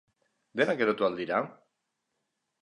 Denak erotu al dira?